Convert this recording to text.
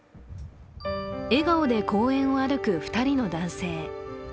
笑顔で公園を歩く２人の男性。